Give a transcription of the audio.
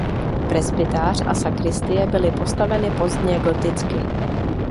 Presbytář a sakristie byly postaveny pozdně goticky.